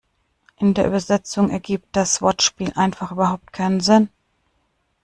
In der Übersetzung ergibt das Wortspiel einfach überhaupt keinen Sinn.